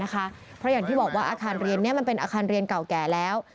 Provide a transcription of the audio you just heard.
เพราะอย่างที่บอกว่าอาคารเรียนนี้มันเป็นอาคารเรียนเก่าแก่แล้ว